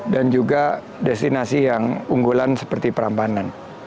dan juga destinasi yang unggulan seperti perampanan